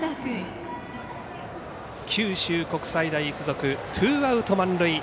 九州国際大付属、ツーアウト満塁。